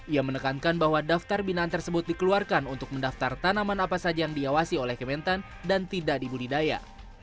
ia menekankan bahwa daftar binaan tersebut dikeluarkan untuk mendaftar tanaman apa saja yang diawasi oleh kementan dan tidak dibudidaya